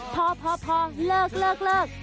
พอพอพอเลิกเลิกเลิก